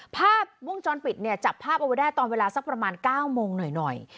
ภาพวงจรปิดเนี่ยจับภาพเอาไว้ได้ตอนเวลาสักประมาณ๙โมงหน่อย